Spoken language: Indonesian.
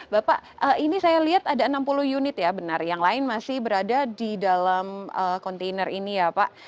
bapak ini saya lihat ada enam puluh unit ya benar yang lain masih berada di dalam kontainer ini ya pak